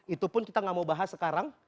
itu pun kita nggak mau bahas sekarang